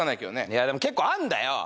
いやでも結構あんだよ！